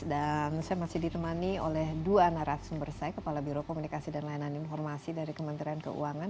dan saya masih ditemani oleh dua narasumber saya kepala biro komunikasi dan layanan informasi dari kementerian keuangan